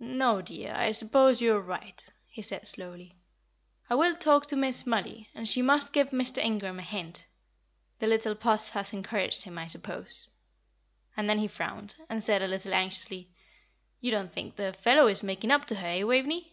"No, dear; I suppose you are right," he said, slowly. "I will talk to Miss Mollie, and she must give Mr. Ingram a hint. The little Puss has encouraged him, I suppose." And then he frowned, and said, a little anxiously, "You don't think the fellow is making up to her, eh, Waveney?"